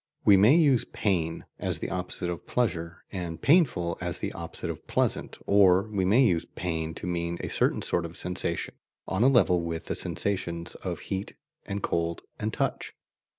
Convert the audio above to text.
We may use "pain" as the opposite of "pleasure," and "painful" as the opposite of "pleasant," or we may use "pain" to mean a certain sort of sensation, on a level with the sensations of heat and cold and touch.